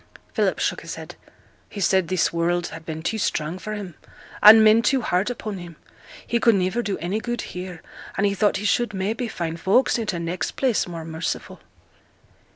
Philip shook his head. 'He said this world had been too strong for him, and men too hard upon him; he could niver do any good here, and he thought he should, maybe, find folks i' t' next place more merciful.'